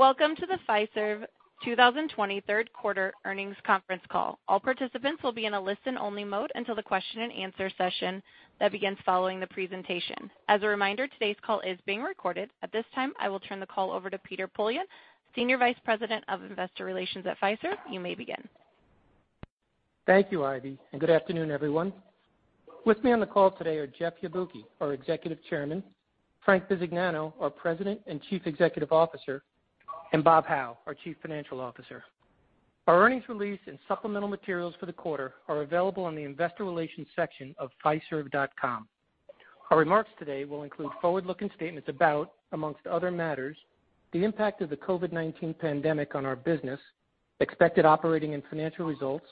Welcome to the Fiserv 2020 third quarter earnings conference call. All participants will be in a listen-only mode until the question and answer session that begins following the presentation. As a reminder, today's call is being recorded. At this time, I will turn the call over to Peter Poillon, Senior Vice President of Investor Relations at Fiserv. You may begin. Thank you, Ivy, and good afternoon, everyone. With me on the call today are Jeff Yabuki, our Executive Chairman, Frank Bisignano, our President and Chief Executive Officer, and Bob Hau, our Chief Financial Officer. Our earnings release and supplemental materials for the quarter are available on the investor relations section of fiserv.com. Our remarks today will include forward-looking statements about, amongst other matters, the impact of the COVID-19 pandemic on our business, expected operating and financial results,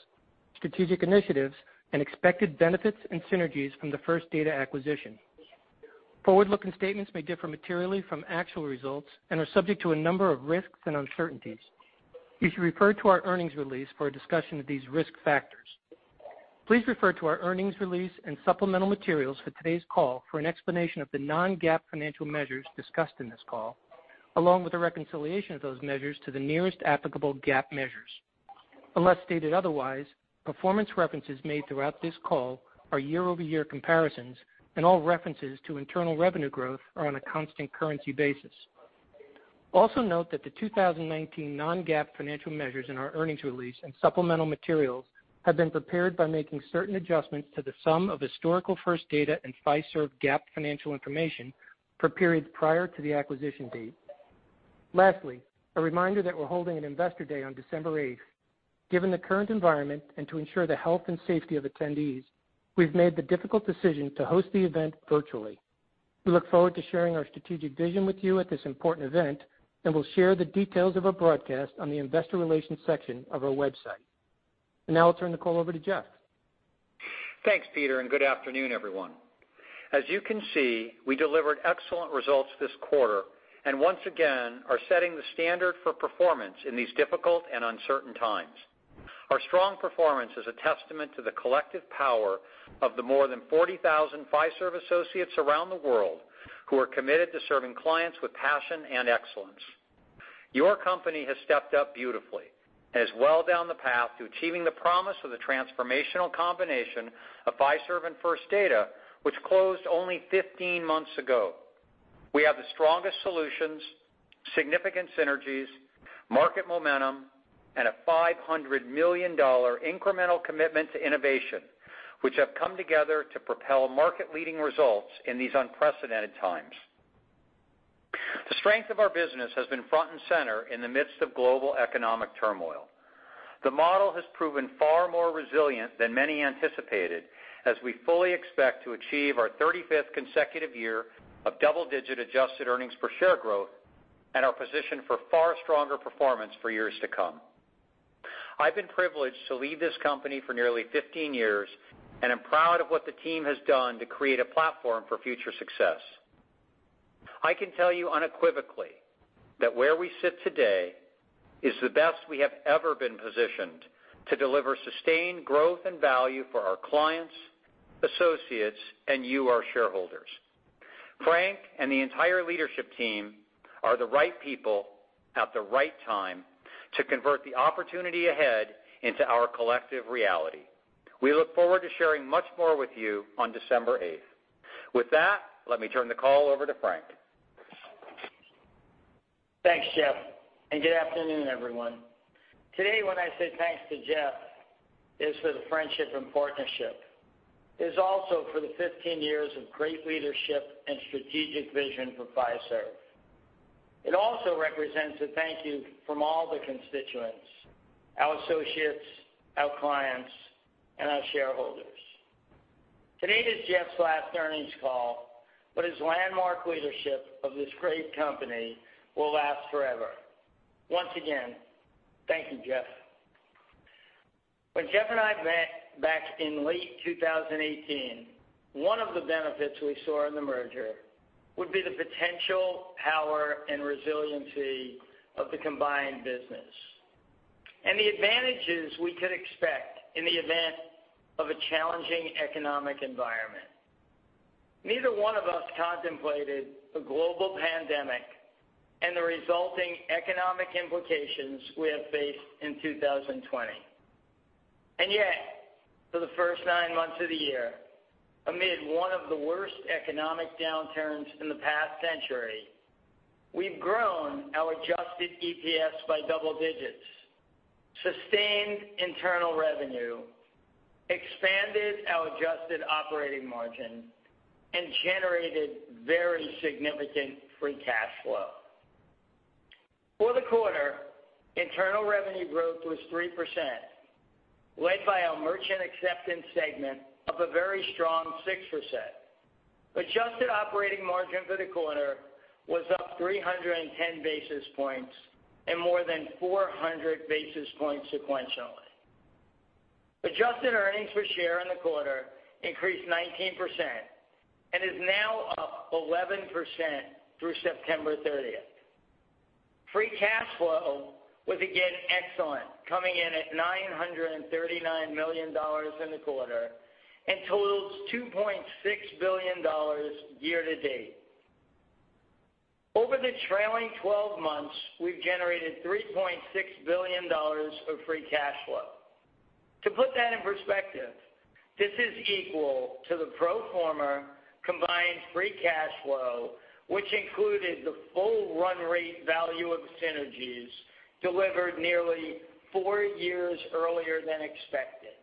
strategic initiatives, and expected benefits and synergies from the First Data acquisition. Forward-looking statements may differ materially from actual results and are subject to a number of risks and uncertainties. You should refer to our earnings release for a discussion of these risk factors. Please refer to our earnings release and supplemental materials for today's call for an explanation of the non-GAAP financial measures discussed in this call, along with a reconciliation of those measures to the nearest applicable GAAP measures. Unless stated otherwise, performance references made throughout this call are year-over-year comparisons, and all references to internal revenue growth are on a constant currency basis. Also note that the 2019 non-GAAP financial measures in our earnings release and supplemental materials have been prepared by making certain adjustments to the sum of historical First Data and Fiserv GAAP financial information for periods prior to the acquisition date. Lastly, a reminder that we're holding an Investor Day on December 8th. Given the current environment and to ensure the health and safety of attendees, we've made the difficult decision to host the event virtually. We look forward to sharing our strategic vision with you at this important event, and we'll share the details of our broadcast on the investor relations section of our website. Now I'll turn the call over to Jeff. Thanks, Peter, and good afternoon, everyone. As you can see, we delivered excellent results this quarter and once again are setting the standard for performance in these difficult and uncertain times. Our strong performance is a testament to the collective power of the more than 40,000 Fiserv associates around the world who are committed to serving clients with passion and excellence. Your company has stepped up beautifully and is well down the path to achieving the promise of the transformational combination of Fiserv and First Data, which closed only 15 months ago. We have the strongest solutions, significant synergies, market momentum, and a $500 million incremental commitment to innovation, which have come together to propel market-leading results in these unprecedented times. The strength of our business has been front and center in the midst of global economic turmoil. The model has proven far more resilient than many anticipated, as we fully expect to achieve our 35th consecutive year of double-digit adjusted earnings per share growth and are positioned for far stronger performance for years to come. I've been privileged to lead this company for nearly 15 years, and I'm proud of what the team has done to create a platform for future success. I can tell you unequivocally that where we sit today is the best we have ever been positioned to deliver sustained growth and value for our clients, associates, and you, our shareholders. Frank and the entire leadership team are the right people at the right time to convert the opportunity ahead into our collective reality. We look forward to sharing much more with you on December 8th. With that, let me turn the call over to Frank. Thanks, Jeff, and good afternoon, everyone. Today, when I say thanks to Jeff, it is for the friendship and partnership. It is also for the 15 years of great leadership and strategic vision for Fiserv. It also represents a thank you from all the constituents, our associates, our clients, and our shareholders. Today is Jeff's last earnings call, but his landmark leadership of this great company will last forever. Once again, thank you, Jeff. When Jeff and I met back in late 2018, one of the benefits we saw in the merger would be the potential power and resiliency of the combined business and the advantages we could expect in the event of a challenging economic environment. Neither one of us contemplated a global pandemic and the resulting economic implications we have faced in 2020. Yet, for the first nine months of the year, amid one of the worst economic downturns in the past century, we've grown our adjusted EPS by double digits, sustained internal revenue, expanded our adjusted operating margin, and generated very significant free cash flow. For the quarter, internal revenue growth was 3%, led by our merchant acceptance segment of a very strong 6%. Adjusted operating margin for the quarter was up 310 basis points and more than 400 basis points sequentially. Adjusted earnings per share in the quarter increased 19% and is now up 11% through September 30th. Free cash flow was again excellent, coming in at $939 million in the quarter and totals $2.6 billion year to date. Over the trailing 12 months, we've generated $3.6 billion of free cash flow. To put that in perspective, this is equal to the pro forma combined free cash flow, which included the full run rate value of synergies delivered nearly four years earlier than expected.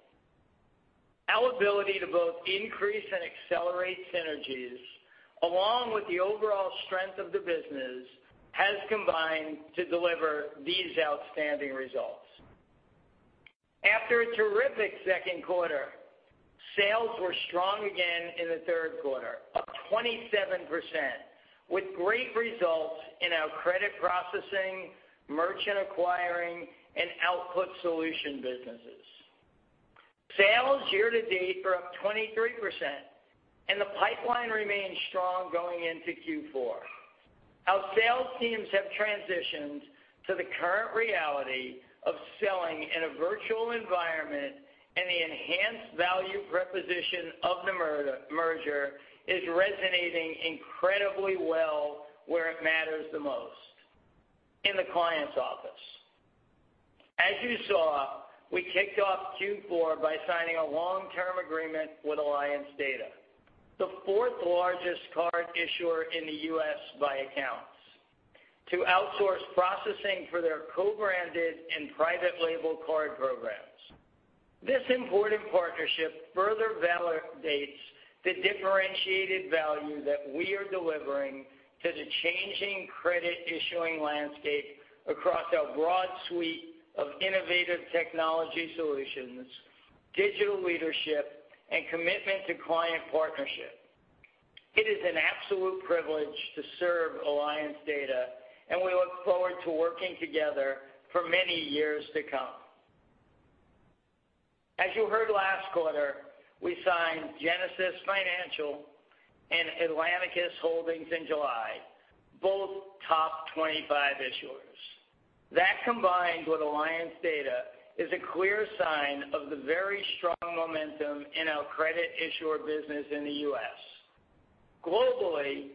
Our ability to both increase and accelerate synergies, along with the overall strength of the business, has combined to deliver these outstanding results. After a terrific second quarter, sales were strong again in the third quarter, up 27%, with great results in our credit processing, merchant acquiring, and output solution businesses. Sales year to date are up 23%, and the pipeline remains strong going into Q4. Our sales teams have transitioned to the current reality of selling in a virtual environment, and the enhanced value proposition of the merger is resonating incredibly well where it matters the most, in the client's office. As you saw, we kicked off Q4 by signing a long-term agreement with Alliance Data, the fourth-largest card issuer in the U.S. by accounts, to outsource processing for their co-branded and private label card programs. This important partnership further validates the differentiated value that we are delivering to the changing credit issuing landscape across our broad suite of innovative technology solutions, digital leadership, and commitment to client partnership. It is an absolute privilege to serve Alliance Data, and we look forward to working together for many years to come. As you heard last quarter, we signed Genesis Financial and Atlanticus Holdings in July, both top 25 issuers. That, combined with Alliance Data, is a clear sign of the very strong momentum in our credit issuer business in the U.S. Globally,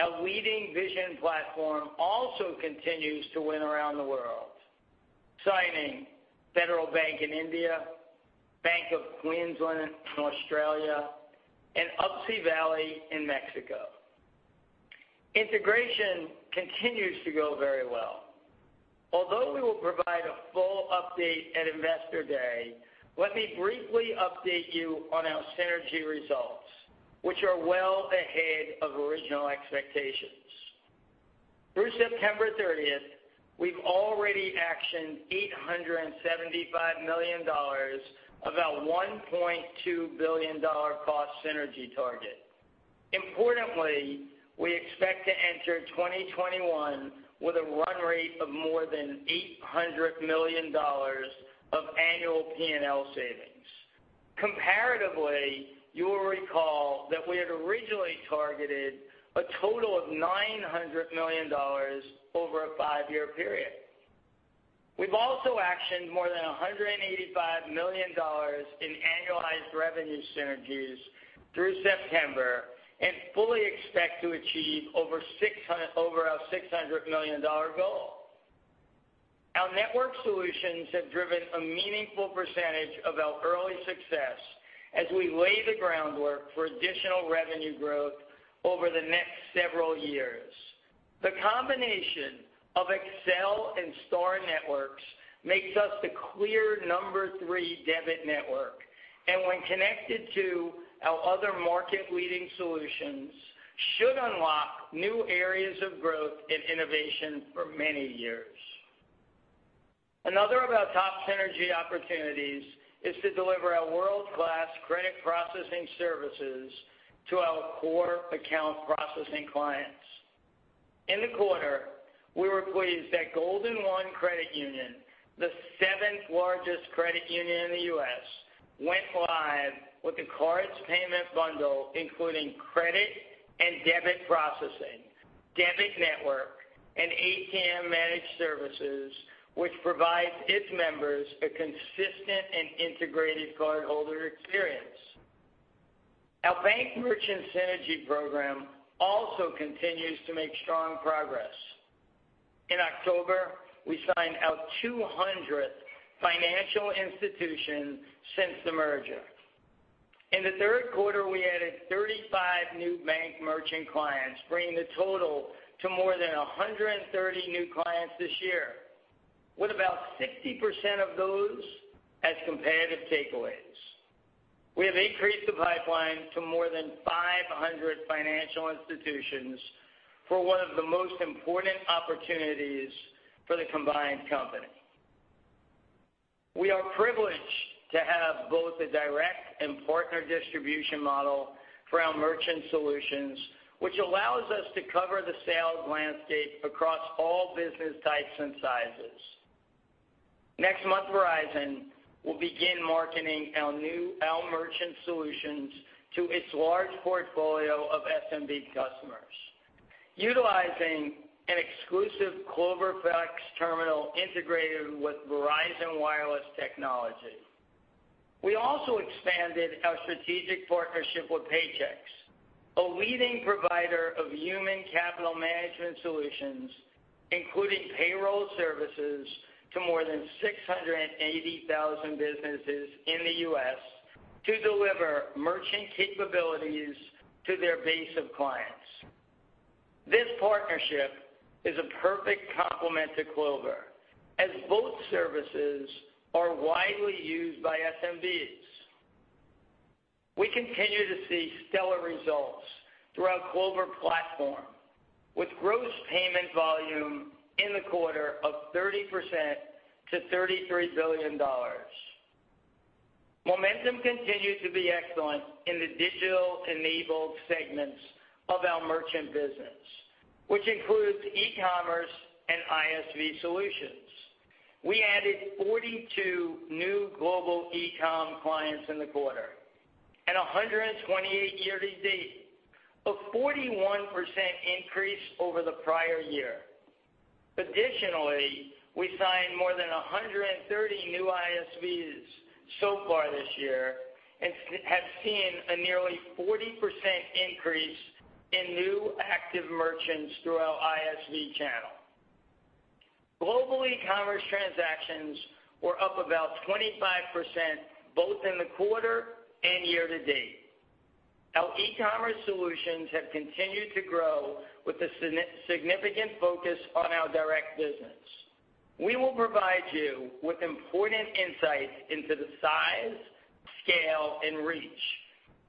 our leading VisionPLUS platform also continues to win around the world, signing Federal Bank in India, Bank of Queensland in Australia, and Up Sí Vale in Mexico. Integration continues to go very well. Although we will provide a full update at Investor Day, let me briefly update you on our synergy results, which are well ahead of original expectations. Through September 30, we've already actioned $875 million of our $1.2 billion cost synergy target. Importantly, we expect to enter 2021 with a run rate of more than $800 million of annual P&L savings. Comparatively, you will recall that we had originally targeted a total of $900 million over a five-year period. We've also actioned more than $185 million in annualized revenue synergies through September and fully expect to achieve over our $600 million goal. Our network solutions have driven a meaningful percentage of our early success as we lay the groundwork for additional revenue growth over the next several years. The combination of Accel and STAR Network makes us the clear number three debit network, and when connected to our other market-leading solutions, should unlock new areas of growth and innovation for many years. Another of our top synergy opportunities is to deliver our world-class credit processing services to our core account processing clients. In the quarter, we were pleased that Golden 1 Credit Union, the seventh-largest credit union in the U.S., went live with the cards payment bundle, including credit and debit processing, debit network, and ATM managed services, which provides its members a consistent and integrated cardholder experience. Our bank merchant synergy program also continues to make strong progress. In October, we signed our 200th financial institution since the merger. In the third quarter, we added 35 new bank merchant clients, bringing the total to more than 130 new clients this year, with about 60% of those as competitive takeaways. We have increased the pipeline to more than 500 financial institutions for one of the most important opportunities for the combined company. We are privileged to have both a direct and partner distribution model for our merchant solutions, which allows us to cover the sales landscape across all business types and sizes. Next month, Verizon will begin marketing our new merchant solutions to its large portfolio of SMB customers, utilizing an exclusive Clover Flex terminal integrated with Verizon wireless technology. We also expanded our strategic partnership with Paychex, a leading provider of human capital management solutions, including payroll services to more than 680,000 businesses in the U.S., to deliver merchant capabilities to their base of clients. This partnership is a perfect complement to Clover, as both services are widely used by SMBs. We continue to see stellar results through our Clover platform, with gross payment volume in the quarter of 30% to $33 billion. Momentum continued to be excellent in the digital-enabled segments of our merchant business, which includes e-commerce and ISV solutions. We added 42 new global eCom clients in the quarter and 128 year-to-date, a 41% increase over the prior year. Additionally, we signed more than 130 new ISVs so far this year and have seen a nearly 40% increase in new active merchants through our ISV channel. Global e-commerce transactions were up about 25%, both in the quarter and year-to-date. Our e-commerce solutions have continued to grow with a significant focus on our direct business. We will provide you with important insights into the size, scale, and reach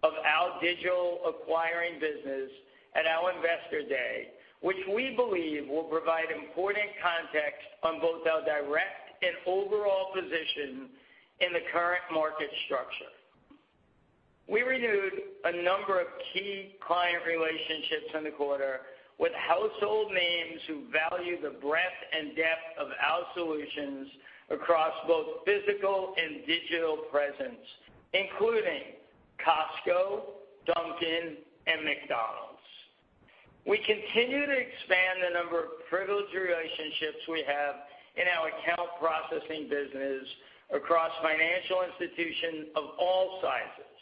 of our digital acquiring business at our Investor Day, which we believe will provide important context on both our direct and overall position in the current market structure. We renewed a number of key client relationships in the quarter with household names who value the breadth and depth of our solutions across both physical and digital presence, including Costco, Dunkin', and McDonald's. We continue to expand the number of privileged relationships we have in our account processing business across financial institutions of all sizes,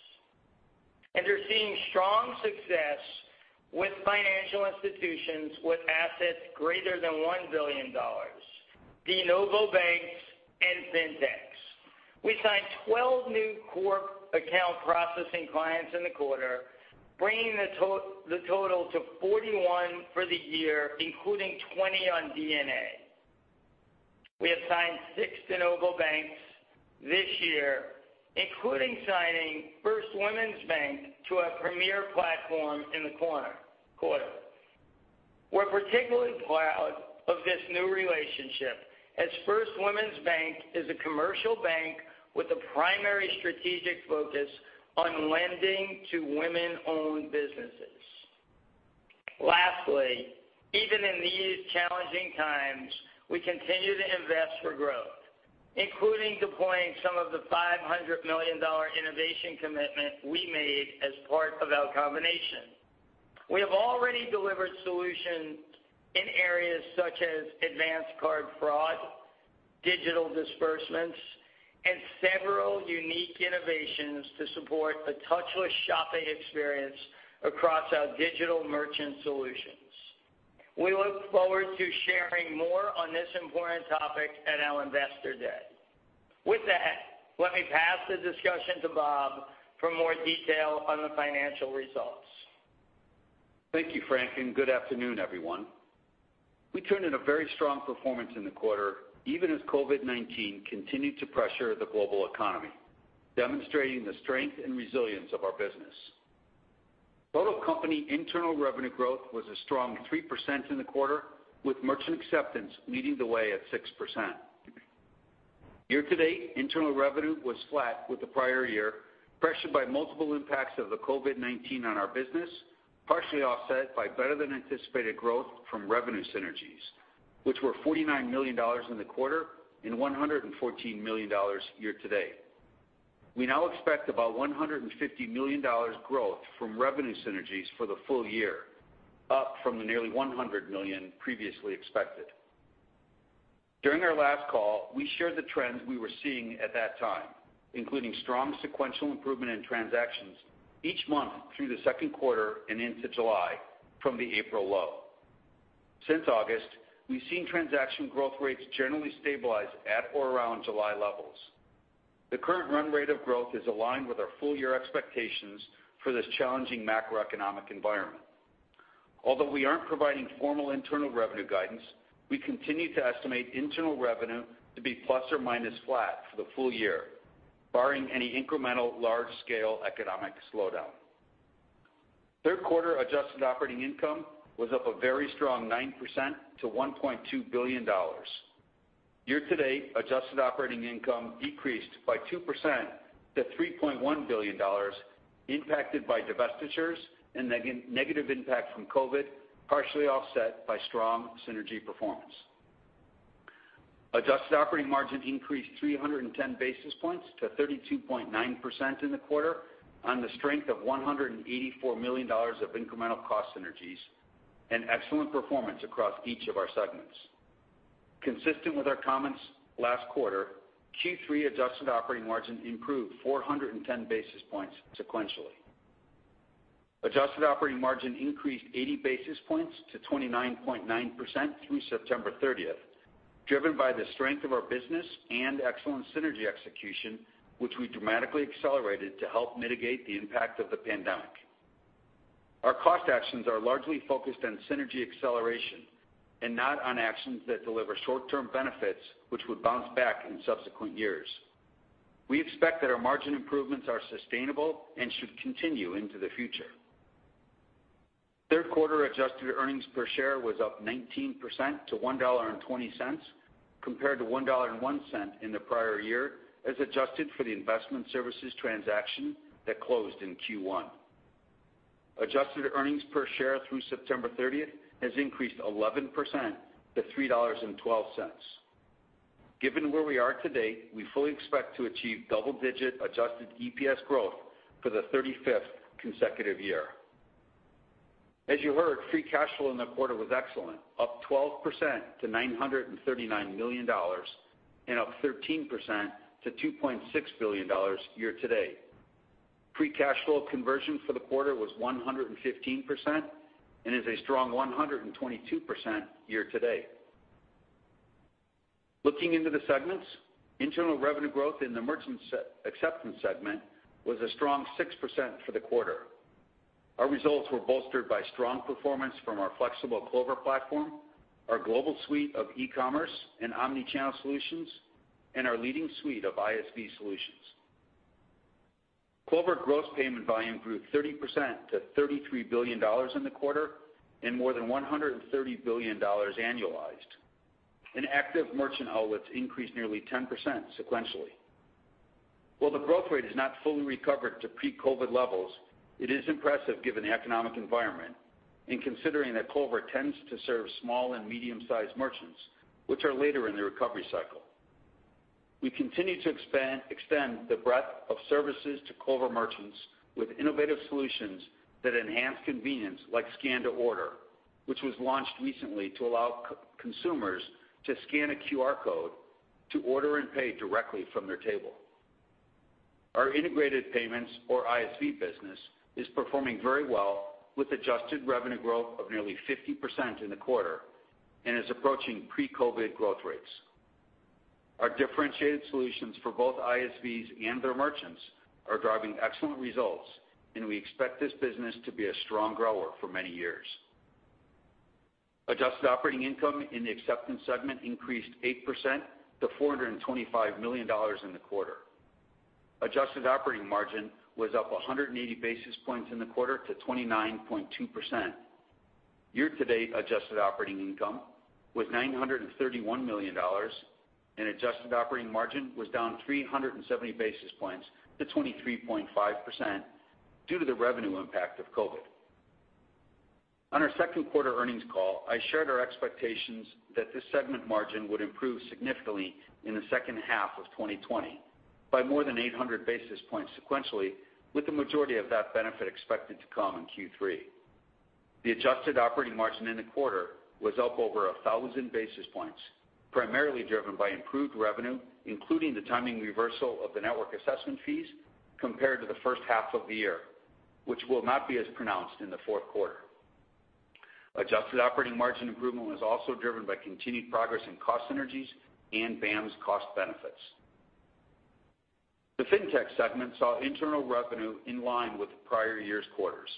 and are seeing strong success with financial institutions with assets greater than $1 billion, de novo banks, and FinTechs. We signed 12 new core account processing clients in the quarter, bringing the total to 41 for the year, including 20 on DNA. We have signed six de novo banks this year, including signing First Women's Bank to our premier platform in the quarter. We are particularly proud of this new relationship, as First Women's Bank is a commercial bank with a primary strategic focus on lending to women-owned businesses. Lastly, even in these challenging times, we continue to invest for growth, including deploying some of the $500 million innovation commitment we made as part of our combination. We have already delivered solutions in areas such as advanced card fraud, digital disbursements, and several unique innovations to support the touchless shopping experience across our digital merchant solutions. We look forward to sharing more on this important topic at our Investor Day. With that, let me pass the discussion to Bob for more detail on the financial results. Thank you, Frank, and good afternoon, everyone. We turned in a very strong performance in the quarter, even as COVID-19 continued to pressure the global economy, demonstrating the strength and resilience of our business. Total company internal revenue growth was a strong 3% in the quarter, with merchant acceptance leading the way at 6%. Year-to-date, internal revenue was flat with the prior year, pressured by multiple impacts of the COVID-19 on our business, partially offset by better-than-anticipated growth from revenue synergies, which were $49 million in the quarter and $114 million year-to-date. We now expect about $150 million growth from revenue synergies for the full year, up from the nearly $100 million previously expected. During our last call, we shared the trends we were seeing at that time, including strong sequential improvement in transactions each month through the second quarter and into July from the April low. Since August, we've seen transaction growth rates generally stabilize at or around July levels. The current run rate of growth is aligned with our full-year expectations for this challenging macroeconomic environment. Although we aren't providing formal internal revenue guidance, we continue to estimate internal revenue to be plus or minus flat for the full year, barring any incremental large-scale economic slowdown. Third quarter adjusted operating income was up a very strong 9% to $1.2 billion. Year-to-date adjusted operating income decreased by 2% to $3.1 billion-impacted by divestitures and negative impact from COVID, partially offset by strong synergy performance. Adjusted operating margin increased 310 basis points to 32.9% in the quarter on the strength of $184 million of incremental cost synergies and excellent performance across each of our segments. Consistent with our comments last quarter, Q3 adjusted operating margin improved 410 basis points sequentially. Adjusted operating margin increased 80 basis points to 29.9% through September 30th, driven by the strength of our business and excellent synergy execution, which we dramatically accelerated to help mitigate the impact of the pandemic. Our cost actions are largely focused on synergy acceleration and not on actions that deliver short-term benefits, which would bounce back in subsequent years. We expect that our margin improvements are sustainable and should continue into the future. Third quarter adjusted earnings per share was up 19% to $1.20, compared to $1.01 in the prior year, as adjusted for the investment services transaction that closed in Q1. Adjusted earnings per share through September 30th has increased 11% to $3.12. Given where we are today, we fully expect to achieve double-digit adjusted EPS growth for the 35th consecutive year. As you heard, free cash flow in the quarter was excellent, up 12% to $939 million and up 13% to $2.6 billion year-to-date. Free cash flow conversion for the quarter was 115% and is a strong 122% year-to-date. Looking into the segments, internal revenue growth in the merchant acceptance segment was a strong 6% for the quarter. Our results were bolstered by strong performance from our flexible Clover platform, our global suite of e-commerce and omni-channel solutions, and our leading suite of ISV solutions. Clover gross payment volume grew 30% to $33 billion in the quarter and more than $130 billion annualized. Active merchant outlets increased nearly 10% sequentially. While the growth rate has not fully recovered to pre-COVID levels, it is impressive given the economic environment and considering that Clover tends to serve small and medium-sized merchants, which are later in the recovery cycle. We continue to expand the breadth of services to Clover merchants with innovative solutions that enhance convenience, like scan to order, which was launched recently to allow consumers to scan a QR code to order and pay directly from their table. Our integrated payments or ISV business is performing very well with adjusted revenue growth of nearly 50% in the quarter and is approaching pre-COVID growth rates. Our differentiated solutions for both ISVs and their merchants are driving excellent results, and we expect this business to be a strong grower for many years. Adjusted operating income in the acceptance segment increased 8% to $425 million in the quarter. Adjusted operating margin was up 180 basis points in the quarter to 29.2%. Year-to-date adjusted operating income was $931 million, and adjusted operating margin was down 370 basis points to 23.5% due to the revenue impact of COVID. On our second quarter earnings call, I shared our expectations that this segment margin would improve significantly in the second half of 2020 by more than 800 basis points sequentially, with the majority of that benefit expected to come in Q3. The adjusted operating margin in the quarter was up over 1,000 basis points, primarily driven by improved revenue, including the timing reversal of the network assessment fees compared to the first half of the year, which will not be as pronounced in the fourth quarter. Adjusted operating margin improvement was also driven by continued progress in cost synergies and BAMS's cost benefits. The FinTech segment saw internal revenue in line with the prior year's quarters,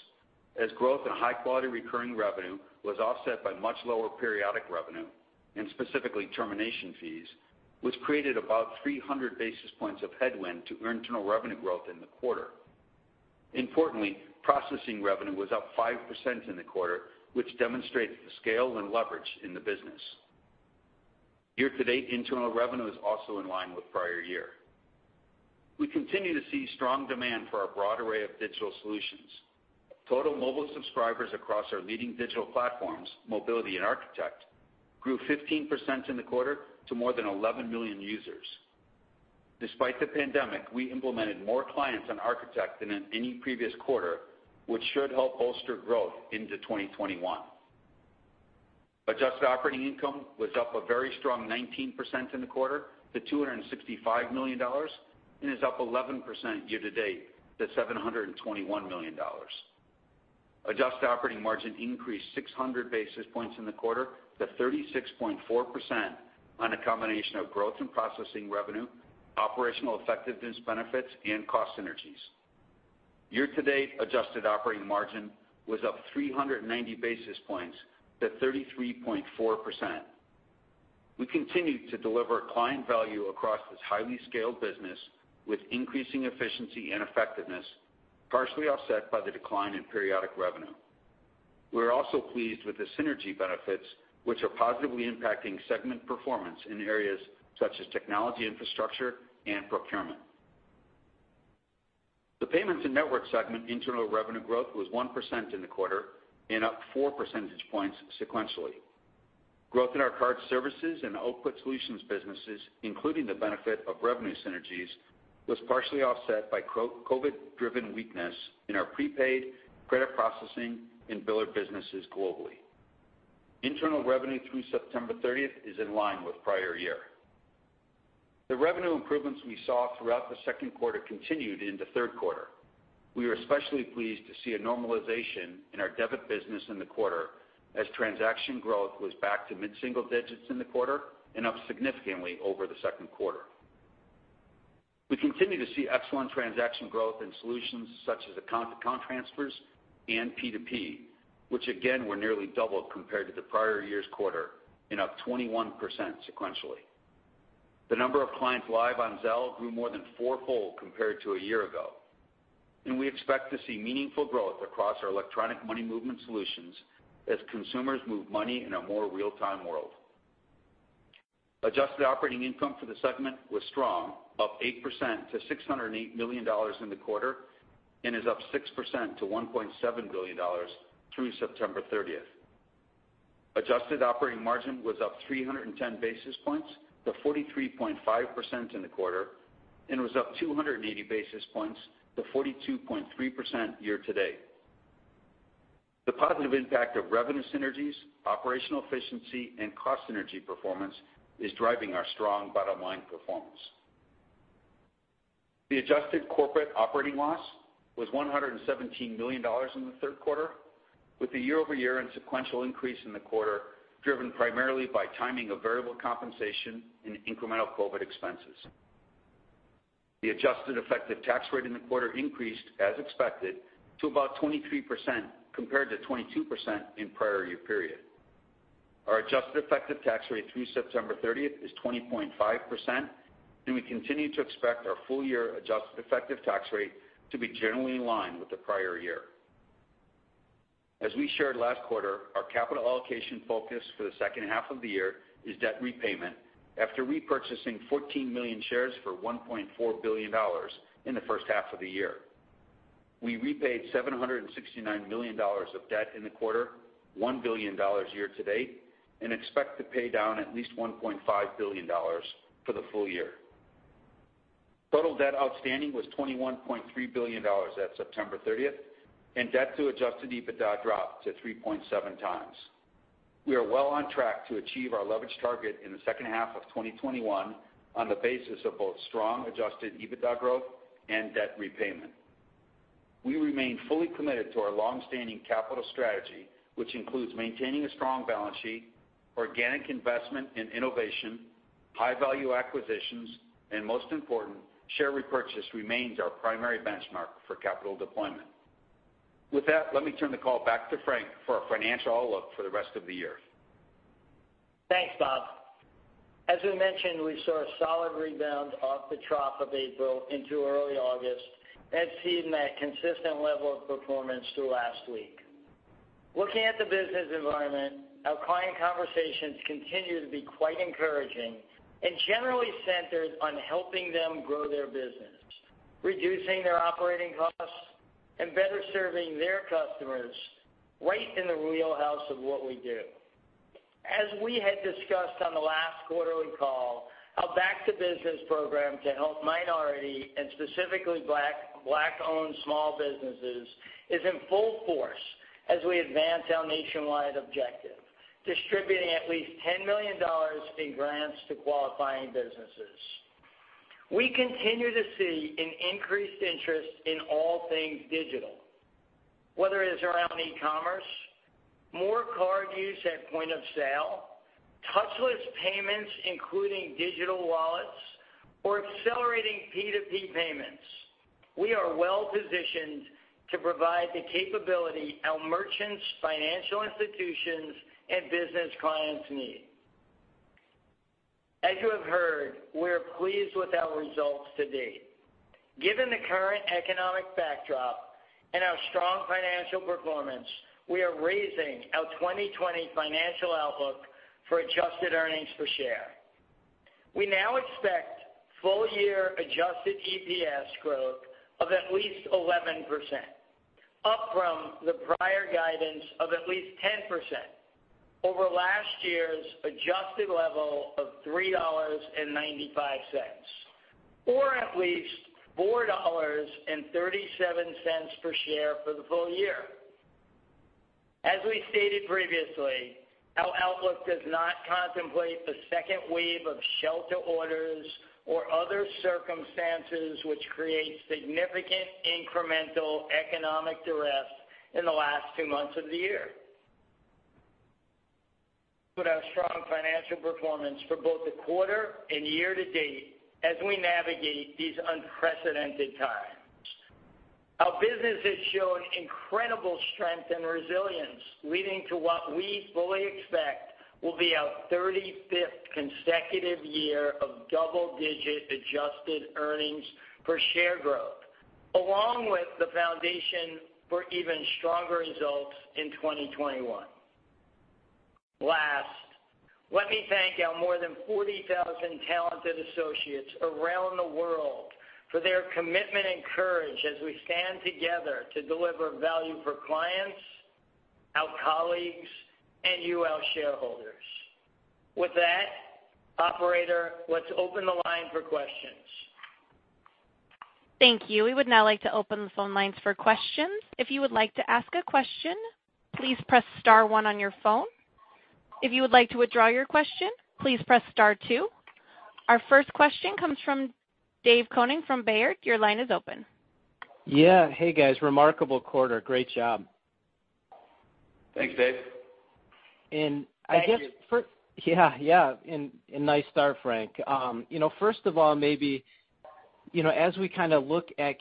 as growth in high-quality recurring revenue was offset by much lower periodic revenue and specifically termination fees, which created about 300 basis points of headwind to internal revenue growth in the quarter. Importantly, processing revenue was up 5% in the quarter, which demonstrates the scale and leverage in the business. Year-to-date, internal revenue is also in line with prior year. We continue to see strong demand for our broad array of digital solutions. Total mobile subscribers across our leading digital platforms, Mobiliti and Architect, grew 15% in the quarter to more than 11 million users. Despite the pandemic, we implemented more clients on Architect than in any previous quarter, which should help bolster growth into 2021. Adjusted operating income was up a very strong 19% in the quarter to $265 million and is up 11% year-to-date to $721 million. Adjusted operating margin increased 600 basis points in the quarter to 36.4% on a combination of growth in processing revenue, operational effectiveness benefits, and cost synergies. Year-to-date, adjusted operating margin was up 390 basis points to 33.4%. We continue to deliver client value across this highly scaled business with increasing efficiency and effectiveness, partially offset by the decline in periodic revenue. We're also pleased with the synergy benefits, which are positively impacting segment performance in areas such as technology infrastructure and procurement. The payments and network segment internal revenue growth was 1% in the quarter and up four percentage points sequentially. Growth in our card services and output solutions businesses, including the benefit of revenue synergies, was partially offset by COVID-driven weakness in our prepaid credit processing and biller businesses globally. Internal revenue through September 30th is in line with prior year. The revenue improvements we saw throughout the second quarter continued in the third quarter. We are especially pleased to see a normalization in our debit business in the quarter, as transaction growth was back to mid-single digits in the quarter and up significantly over the second quarter. We continue to see excellent transaction growth in solutions such as account to account transfers and P2P, which again were nearly double compared to the prior year's quarter and up 21% sequentially. The number of clients live on Zelle grew more than four-fold compared to a year ago, and we expect to see meaningful growth across our electronic money movement solutions as consumers move money in a more real-time world. Adjusted operating income for the segment was strong, up 8% to $608 million in the quarter, and is up 6% to $1.7 billion through September 30th. Adjusted operating margin was up 310 basis points to 43.5% in the quarter, and was up 280 basis points to 42.3% year-to-date. The positive impact of revenue synergies, operational efficiency, and cost synergy performance is driving our strong bottom-line performance. The adjusted corporate operating loss was $117 million in the third quarter, with the year-over-year and sequential increase in the quarter driven primarily by timing of variable compensation and incremental COVID-19 expenses. The adjusted effective tax rate in the quarter increased as expected to about 23%, compared to 22% in prior year period. Our adjusted effective tax rate through September 30th is 20.5%, and we continue to expect our full-year adjusted effective tax rate to be generally in line with the prior year. As we shared last quarter, our capital allocation focus for the second half of the year is debt repayment after repurchasing 14 million shares for $1.4 billion in the first half of the year. We repaid $769 million of debt in the quarter, $1 billion year-to-date, and expect to pay down at least $1.5 billion for the full year. Total debt outstanding was $21.3 billion at September 30th, and debt to adjusted EBITDA dropped to 3.7x. We are well on track to achieve our leverage target in the second half of 2021 on the basis of both strong adjusted EBITDA growth and debt repayment. We remain fully committed to our long-standing capital strategy, which includes maintaining a strong balance sheet, organic investment in innovation, high-value acquisitions, and most important, share repurchase remains our primary benchmark for capital deployment. With that, let me turn the call back to Frank for our financial outlook for the rest of the year. Thanks, Bob. As we mentioned, we saw a solid rebound off the trough of April into early August and have seen that consistent level of performance through last week. Looking at the business environment, our client conversations continue to be quite encouraging and generally centered on helping them grow their business, reducing their operating costs, and better serving their customers right in the wheelhouse of what we do. As we had discussed on the last quarterly call, our Back2Business program to help minority and specifically Black-owned small businesses is in full force as we advance our nationwide objective, distributing at least $10 million in grants to qualifying businesses. We continue to see an increased interest in all things digital. Whether it's around e-commerce, more card use at point of sale, touchless payments, including digital wallets, or accelerating P2P payments, we are well-positioned to provide the capability our merchants, financial institutions, and business clients need. As you have heard, we are pleased with our results to date. Given the current economic backdrop and our strong financial performance, we are raising our 2020 financial outlook for adjusted earnings per share. We now expect full-year adjusted EPS growth of at least 11%, up from the prior guidance of at least 10% over last year's adjusted level of $3.95 or at least $4.37 per share for the full year. As we stated previously, our outlook does not contemplate the second wave of shelter orders or other circumstances which create significant incremental economic duress in the last two months of the year. With our strong financial performance for both the quarter and year to date as we navigate these unprecedented times. Our business has shown incredible strength and resilience, leading to what we fully expect will be our 35th consecutive year of double-digit adjusted earnings per share growth. Along with the foundation for even stronger results in 2021. Last, let me thank our more than 40,000 talented associates around the world for their commitment and courage as we stand together to deliver value for clients, our colleagues, and you, our shareholders. With that, operator, let's open the line for questions. Thank you. We would now open the phone lines for questions, if you would like to ask a question, please press star one on your phone. If you would like to withdraw your question, please press star two. Our first question comes from Dave Koning from Baird. Your line is open. Yeah. Hey, guys. Remarkable quarter. Great job. Thanks, Dave. Thank you. Yeah. Nice start, Frank. First of all, maybe as we look at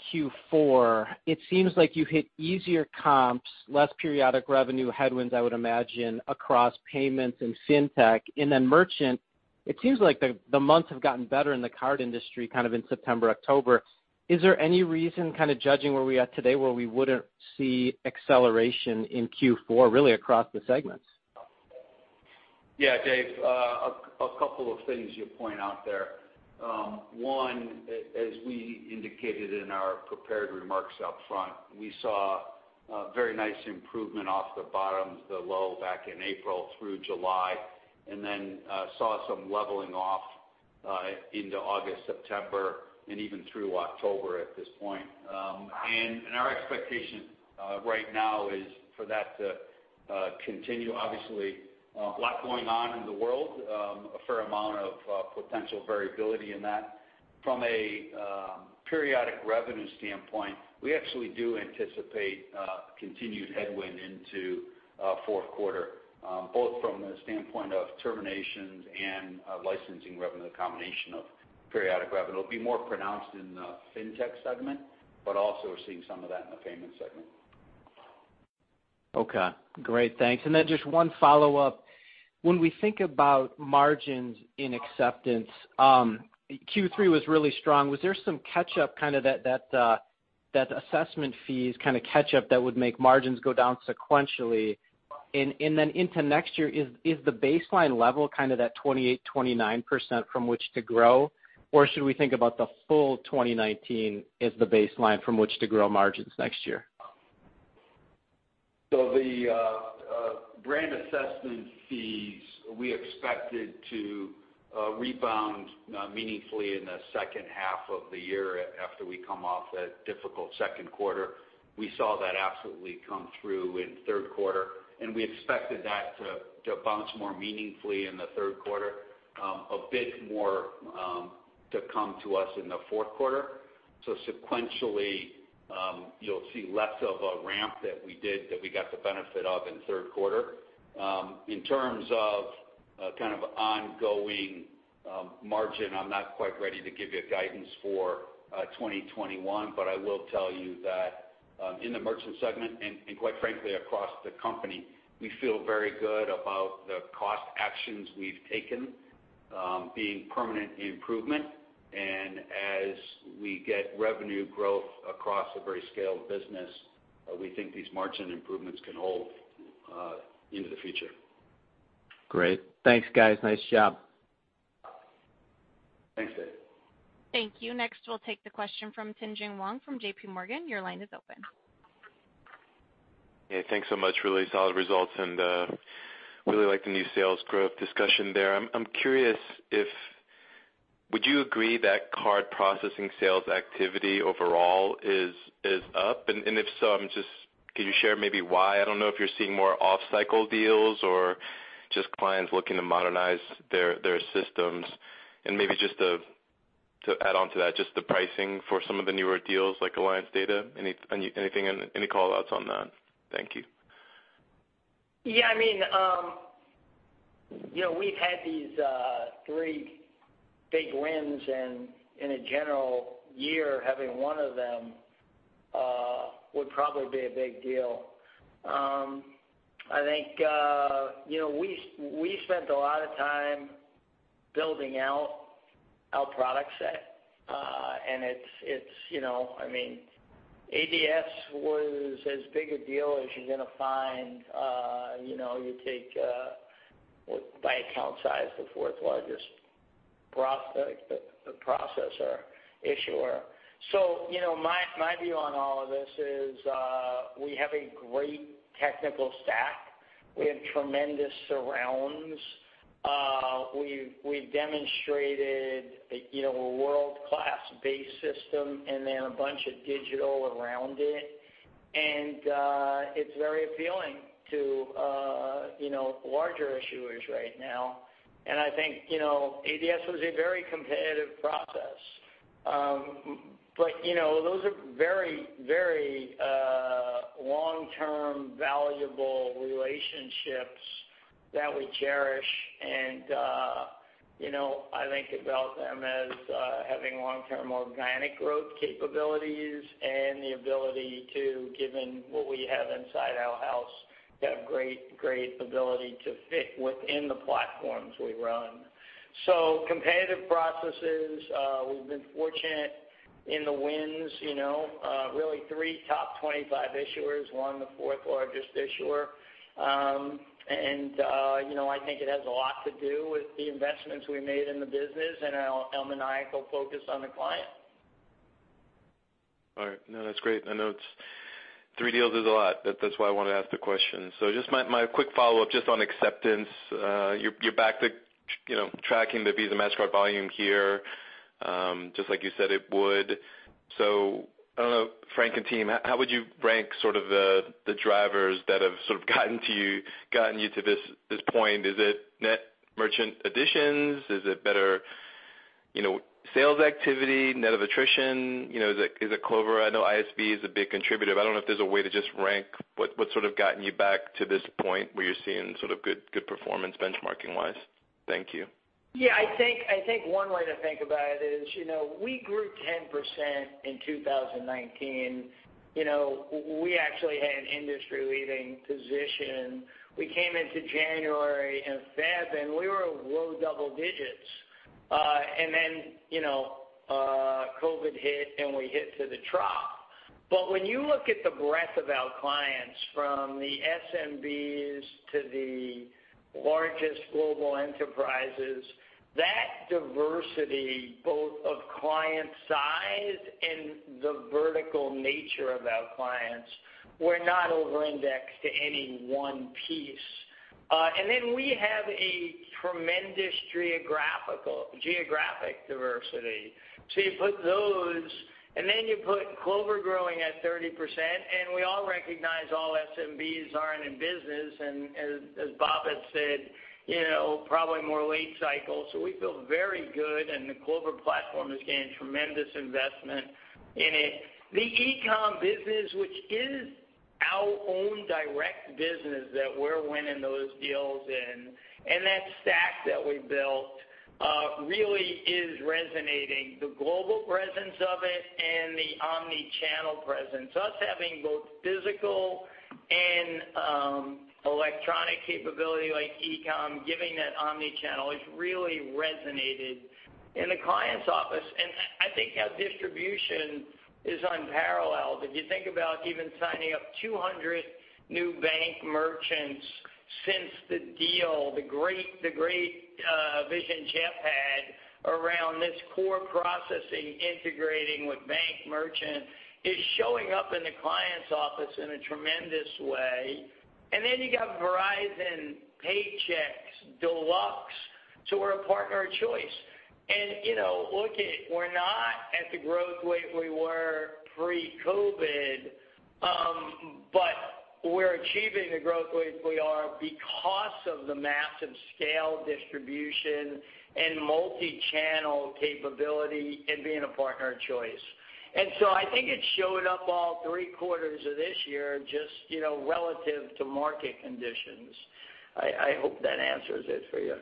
Q4, it seems like you hit easier comps, less periodic revenue headwinds, I would imagine, across payments and FinTech. Then merchant, it seems like the months have gotten better in the card industry in September, October. Is there any reason, judging where we are today, where we wouldn't see acceleration in Q4, really across the segments? Yeah, Dave. A couple of things you point out there. One, as we indicated in our prepared remarks up front, we saw a very nice improvement off the bottom of the low back in April through July, and then saw some leveling off into August, September, and even through October at this point. Our expectation right now is for that to continue. Obviously, a lot going on in the world, a fair amount of potential variability in that. From a periodic revenue standpoint, we actually do anticipate continued headwind into fourth quarter, both from the standpoint of terminations and licensing revenue, the combination of periodic revenue. It'll be more pronounced in the FinTech segment, but also we're seeing some of that in the payment segment. Okay. Great, thanks. Then just one follow-up. When we think about margins in acceptance, Q3 was really strong. Was there some catch-up, that assessment fees catch-up that would make margins go down sequentially? Then into next year, is the baseline level that 28%-29% from which to grow? Or should we think about the full 2019 as the baseline from which to grow margins next year? The brand assessment fees, we expected to rebound meaningfully in the second half of the year after we come off that difficult second quarter. We saw that absolutely come through in third quarter, and we expected that to bounce more meaningfully in the third quarter, a bit more to come to us in the fourth quarter. Sequentially, you'll see less of a ramp that we did that we got the benefit of in the third quarter. In terms of ongoing margin, I'm not quite ready to give you guidance for 2021. I will tell you that in the merchant segment, and quite frankly, across the company, we feel very good about the cost actions we've taken being permanent improvement. As we get revenue growth across a very scaled business, we think these margin improvements can hold into the future. Great. Thanks, guys. Nice job. Thanks, Dave. Thank you. Next, we'll take the question from Tien-Tsin Huang from JPMorgan. Your line is open. Yeah, thanks so much. Really solid results and really like the new sales growth discussion there. I'm curious, would you agree that card processing sales activity overall is up? If so, can you share maybe why? I don't know if you're seeing more off-cycle deals or just clients looking to modernize their systems. Maybe just to add on to that, just the pricing for some of the newer deals like Alliance Data. Any call-outs on that? Thank you. Yeah. We've had these three big wins, and in a general year, having one of them would probably be a big deal. I think we spent a lot of time building out our product set. ADS was as big a deal as you're going to find. You take, by account size, the fourth largest processor issuer. My view on all of this is we have a great technical stack. We have tremendous surrounds. We've demonstrated a world-class base system and then a bunch of digital around it. It's very appealing to larger issuers right now. I think ADS was a very competitive process. Those are very long-term valuable relationships. That we cherish. I think about them as having long-term organic growth capabilities and the ability to, given what we have inside our house, have great ability to fit within the platforms we run. Competitive processes, we've been fortunate in the wins. Really three top 25 issuers, one the fourth largest issuer. I think it has a lot to do with the investments we made in the business and our maniacal focus on the client. All right. No, that's great. I know three deals is a lot. That's why I wanted to ask the question. Just my quick follow-up just on acceptance. You're back to tracking the Visa, Mastercard volume here, just like you said it would. I don't know, Frank and team, how would you rank the drivers that have gotten you to this point? Is it net merchant additions? Is it better sales activity, net of attrition? Is it Clover? I know ISV is a big contributor. I don't know if there's a way to just rank what's gotten you back to this point where you're seeing good performance benchmarking-wise. Thank you. Yeah, I think one way to think about it is, we grew 10% in 2019. We actually had an industry-leading position. We came into January and Feb, we were low double digits. COVID-19 hit, we hit to the trough. When you look at the breadth of our clients, from the SMBs to the largest global enterprises, that diversity, both of client size and the vertical nature of our clients, we're not over-indexed to any one piece. We have a tremendous geographic diversity. You put those, you put Clover growing at 30%, we all recognize all SMBs aren't in business, as Bob had said, probably more late cycle. We feel very good the Clover platform is getting tremendous investment in it. The eCom business, which is our own direct business that we're winning those deals in, and that stack that we built really is resonating. The global presence of it and the omni-channel presence. Us having both physical and electronic capability like e-com, giving that omni-channel has really resonated in the client's office. I think our distribution is unparalleled. If you think about even signing up 200 new bank merchants since the deal, the great vision Jeff had around this core processing integrating with bank merchant is showing up in the client's office in a tremendous way. You got Verizon, Paychex, Deluxe. We're a partner of choice. Look it, we're not at the growth rate we were pre-COVID, but we're achieving the growth rates we are because of the massive scale distribution and multi-channel capability and being a partner of choice. I think it showed up all three quarters of this year, just relative to market conditions. I hope that answers it for you.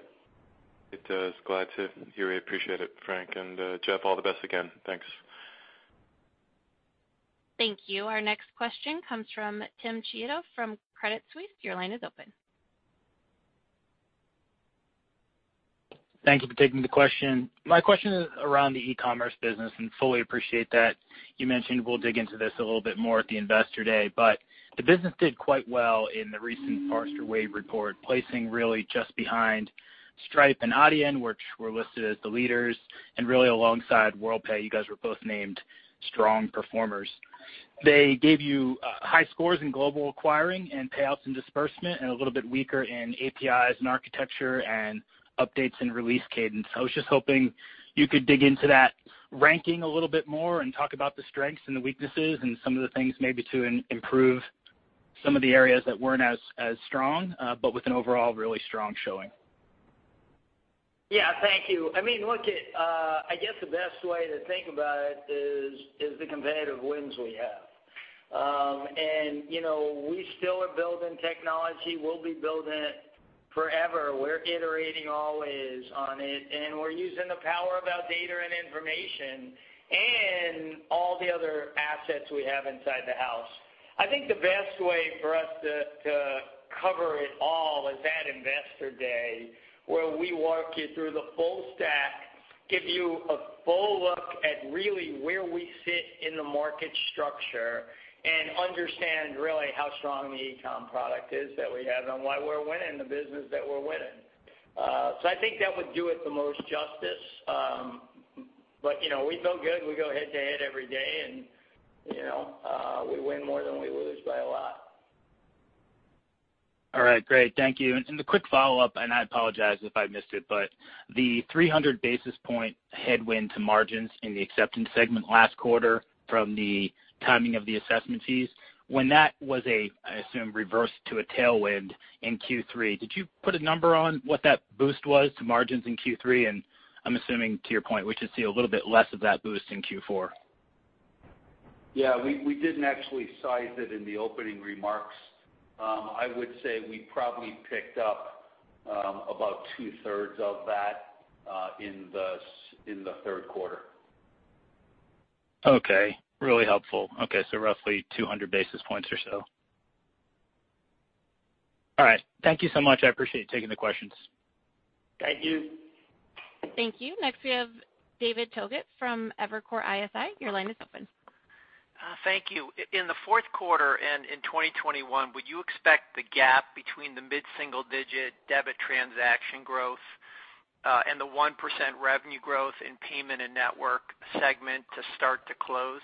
It does. Glad to hear it. Appreciate it, Frank, and Jeff, all the best again. Thanks. Thank you. Our next question comes from Tim Chiodo from Credit Suisse. Your line is open. Thank you for taking the question. My question is around the e-commerce business, and fully appreciate that you mentioned we'll dig into this a little bit more at the Investor Day. The business did quite well in the recent Forrester Wave report, placing really just behind Stripe and Adyen, which were listed as the leaders, and really alongside Worldpay. You guys were both named strong performers. They gave you high scores in global acquiring and payouts and disbursement, and a little bit weaker in APIs and architecture and updates and release cadence. I was just hoping you could dig into that ranking a little bit more and talk about the strengths and the weaknesses and some of the things maybe to improve some of the areas that weren't as strong but with an overall really strong showing. Thank you. I guess the best way to think about it is the competitive wins we have. We still are building technology. We'll be building it forever. We're iterating always on it, and we're using the power of our data and information and all the other assets we have inside the house. I think the best way for us to cover it all is at Investor Day, where we walk you through the full stack, give you a full look at really where we sit in the market structure and understand really how strong the eCom product is that we have and why we're winning the business that we're winning. I think that would do it the most justice. We feel good. We go head-to-head every day, and we win more than we lose by a lot. All right. Great. Thank you. A quick follow-up, and I apologize if I missed it, but the 300 basis point headwind to margins in the acceptance segment last quarter from the timing of the assessment fees, when that was a, I assume, reverse to a tailwind in Q3, did you put a number on what that boost was to margins in Q3? I'm assuming to your point, we should see a little bit less of that boost in Q4. Yeah. We didn't actually size it in the opening remarks. I would say we probably picked up about two-thirds of that in the third quarter. Okay. Really helpful. Okay, roughly 200 basis points or so. All right. Thank you so much. I appreciate you taking the questions. Thank you. Thank you. Next, we have David Togut from Evercore ISI. Your line is open. Thank you. In the fourth quarter and in 2021, would you expect the gap between the mid-single-digit debit transaction growth and the 1% revenue growth in payment and network segment to start to close?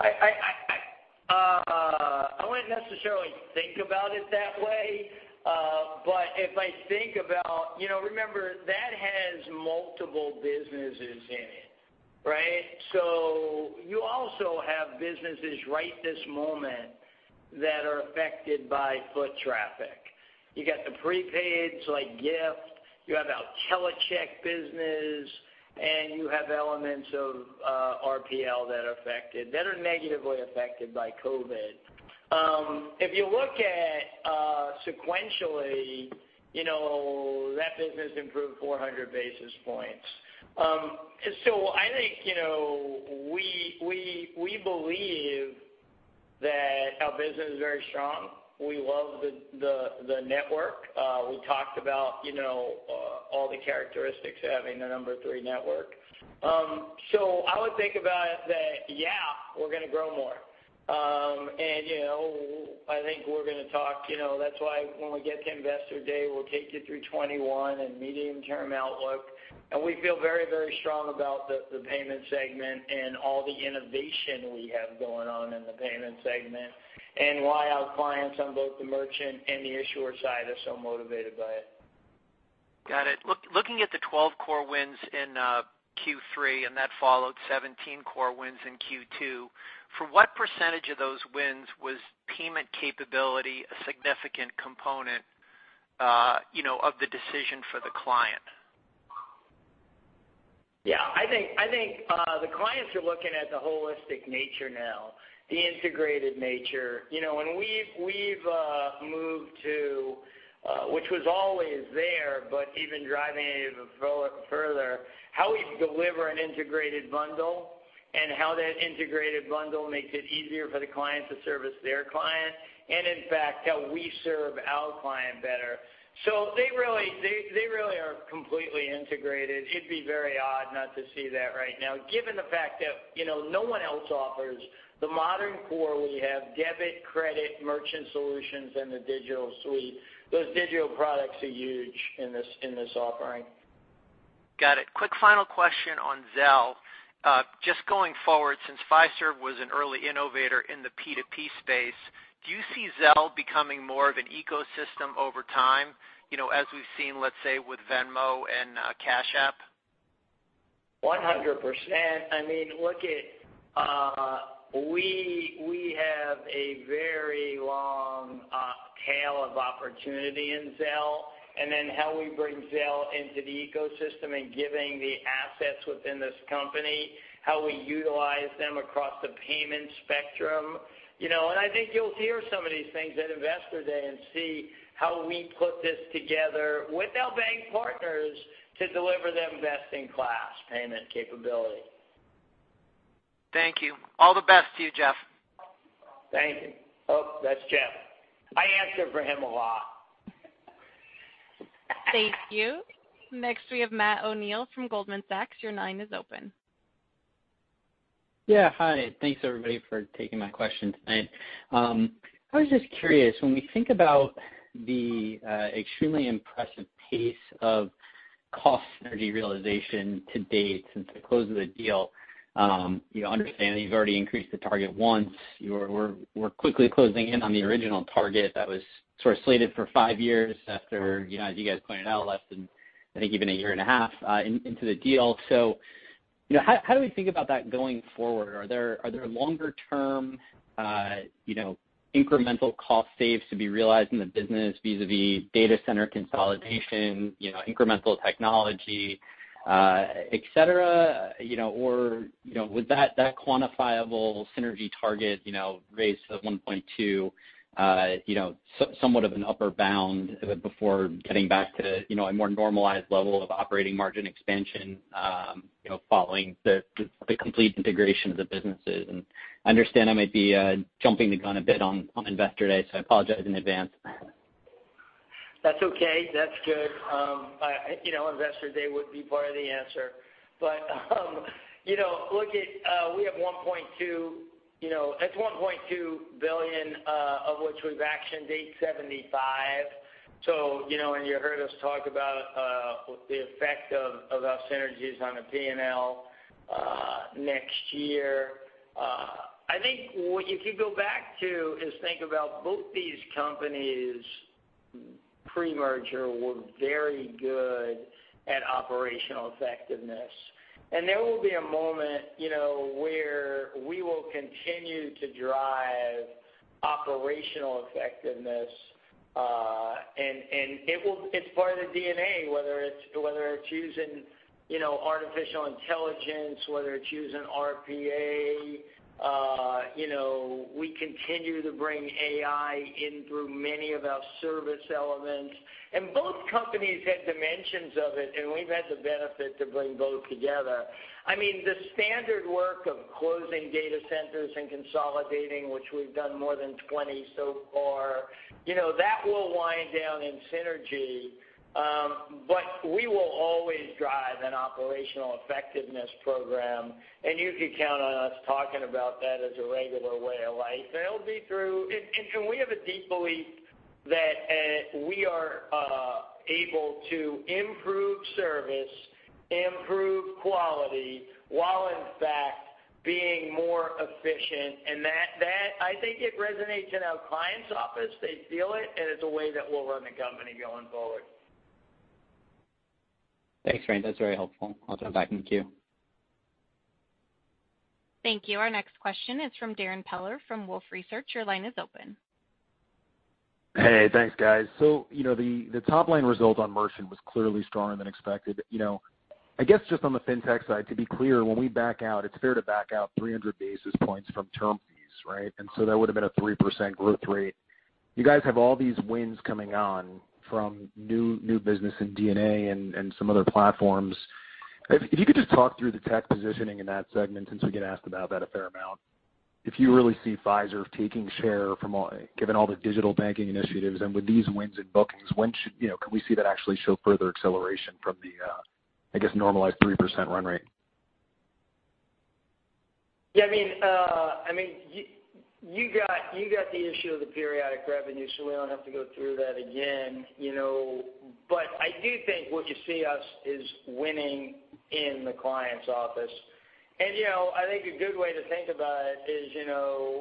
I wouldn't necessarily think about it that way. If I think about. Remember, that has multiple businesses in it, right? You also have businesses right this moment that are affected by foot traffic. You got the prepaids like Gift, you have our TeleCheck business, and you have elements of RPL that are negatively affected by COVID. If you look at sequentially, that business improved 400 basis points. I think we believe that our business is very strong. We love the network. We talked about all the characteristics of having the number three network. I would think about it that, yeah, we're going to grow more. I think we're going to talk. That's why when we get to Investor Day, we'll take you through 2021 and medium-term outlook. We feel very, very strong about the payment segment and all the innovation we have going on in the payment segment, and why our clients on both the merchant and the issuer side are so motivated by it. Got it. Looking at the 12 core wins in Q3. That followed 17 core wins in Q2. For what % of those wins was payment capability a significant component of the decision for the client? I think the clients are looking at the holistic nature now, the integrated nature. We've moved to, which was always there, but even driving it further, how we deliver an integrated bundle and how that integrated bundle makes it easier for the client to service their client, and in fact, how we serve our client better. They really are completely integrated. It'd be very odd not to see that right now, given the fact that no one else offers the modern core we have, debit, credit, merchant solutions, and the digital suite. Those digital products are huge in this offering. Got it. Quick final question on Zelle. Just going forward, since Fiserv was an early innovator in the P2P space, do you see Zelle becoming more of an ecosystem over time as we've seen, let's say, with Venmo and Cash App? 100%. We have a very long tail of opportunity in Zelle, and then how we bring Zelle into the ecosystem and giving the assets within this company, how we utilize them across the payment spectrum. I think you'll hear some of these things at Investor Day and see how we put this together with our bank partners to deliver them best-in-class payment capability. Thank you. All the best to you, Jeff. Thank you. Oh, that's Jeff. I answer for him a lot. Thank you. Next, we have Matt O'Neill from Goldman Sachs. Your line is open. Hi. Thanks, everybody, for taking my question tonight. I was just curious, when we think about the extremely impressive pace of cost synergy realization to date since the close of the deal, understanding that you've already increased the target once, you were quickly closing in on the original target that was sort of slated for five years after, as you guys pointed out, less than, I think, even a year and a half into the deal. How do we think about that going forward? Are there longer-term incremental cost saves to be realized in the business vis-a-vis data center consolidation, incremental technology, et cetera? Was that quantifiable synergy target raised to 1.2 somewhat of an upper bound before getting back to a more normalized level of operating margin expansion following the complete integration of the businesses? I understand I might be jumping the gun a bit on Investor Day, so I apologize in advance. That's okay. That's good. Investor Day would be part of the answer. We have $1.2 billion, of which we've actioned 875. You heard us talk about the effect of our synergies on the P&L next year. I think what you could go back to is think about both these companies pre-merger were very good at operational effectiveness. There will be a moment where we will continue to drive operational effectiveness. It's part of the DNA, whether it's choosing artificial intelligence, whether it's choosing RPA. We continue to bring AI in through many of our service elements. Both companies had dimensions of it, and we've had the benefit to bring both together. I mean, the standard work of closing data centers and consolidating, which we've done more than 20 so far, that will wind down in synergy. We will always drive an operational effectiveness program, and you can count on us talking about that as a regular way of life. We have a deep belief that we are able to improve service, improve quality, while in fact being more efficient. That, I think it resonates in our client's office. They feel it, and it's a way that we'll run the company going forward. Thanks, Frank. That's very helpful. I'll turn it back in the queue. Thank you. Our next question is from Darrin Peller from Wolfe Research. Your line is open. Hey, thanks, guys. The top-line result on merchant was clearly stronger than expected. I guess just on the FinTech side, to be clear, when we back out, it's fair to back out 300 basis points from term fees, right? That would've been a 3% growth rate. You guys have all these wins coming on from new business in DNA and some other platforms. If you could just talk through the tech positioning in that segment, since we get asked about that a fair amount. If you really see Fiserv taking share given all the digital banking initiatives and with these wins and bookings, can we see that actually show further acceleration from the, I guess, normalized 3% run rate? Yeah. You got the issue of the periodic revenue. We don't have to go through that again. I do think what you see us is winning in the client's office. I think a good way to think about it is,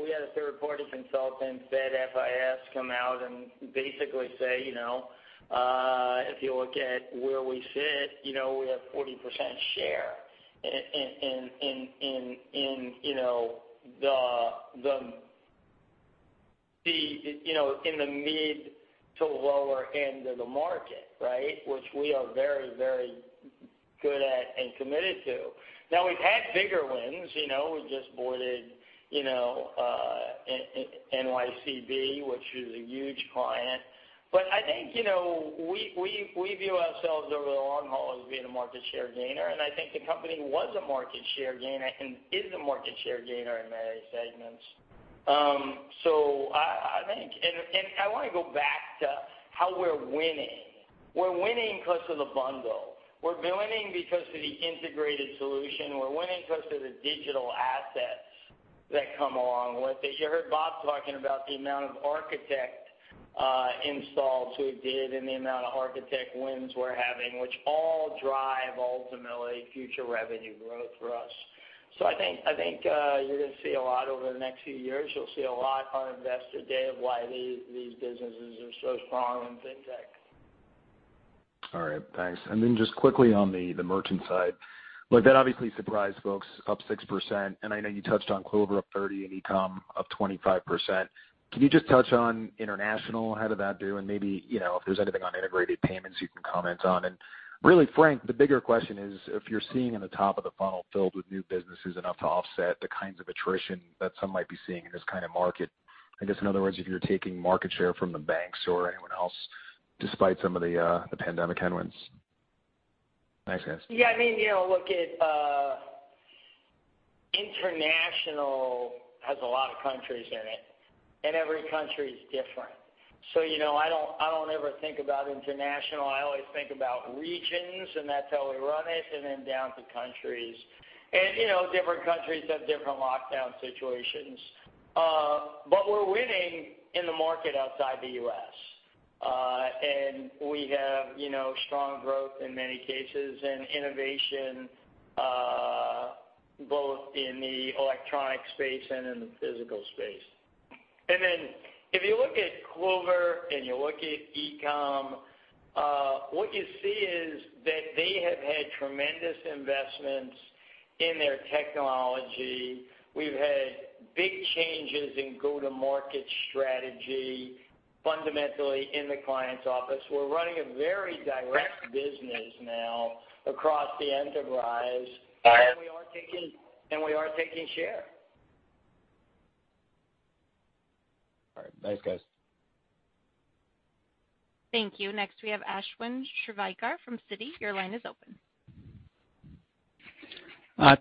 we had a third-party consultant, FedFis, come out and basically say, "If you look at where we sit, we have 40% share in the mid to lower end of the market," right? Which we are very good at and committed to. Now we've had bigger wins. We just boarded NYCB, which is a huge client. I think we view ourselves over the long haul as being a market share gainer. I think the company was a market share gainer and is a market share gainer in many segments. I want to go back to how we're winning. We're winning because of the bundle. We're winning because of the integrated solution. We're winning because of the digital assets that come along with it. You heard Bob talking about the amount of Architect installs we did and the amount of Architect wins we're having, which all drive ultimately future revenue growth for us. I think you're going to see a lot over the next few years. You'll see a lot on Investor Day of why these businesses are so strong in FinTech. All right. Thanks. Then just quickly on the Merchant side. Look, that obviously surprised folks, up 6%, and I know you touched on Clover up 30% and eCom up 25%. Can you just touch on international? How did that do? Maybe, if there's anything on integrated payments you can comment on. Really, Frank, the bigger question is if you're seeing in the top of the funnel filled with new businesses enough to offset the kinds of attrition that some might be seeing in this kind of market. I guess in other words, if you're taking market share from the banks or anyone else despite some of the pandemic headwinds. Thanks, guys. Yeah. International has a lot of countries in it, and every country is different. I don't ever think about international. I always think about regions, and that's how we run it, and then down to countries. Different countries have different lockdown situations. We're winning in the market outside the U.S. We have strong growth in many cases and innovation both in the electronic space and in the physical space. If you look at Clover and you look at eCom, what you see is that they have had tremendous investments in their technology. We've had big changes in go-to-market strategy, fundamentally in the client's office. We're running a very direct business now across the enterprise. All right. We are taking share. All right. Thanks, guys. Thank you. Next we have Ashwin Shirvaikar from Citi. Your line is open.